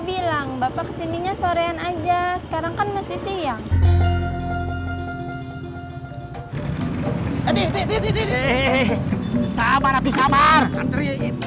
bilang bapak kesininya sorean aja sekarang kan masih siang adik adik samaratu samar